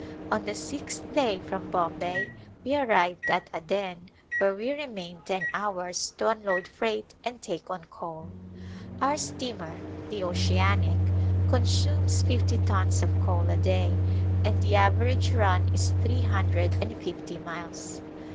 On the sixth day from Bombay we arrived at Aden where we remained ten hours to un= load freight and take on coal. Our steamer, the Oceanic^ consumes fifty tons of coal a day and the average run is three hundred and fifty miles.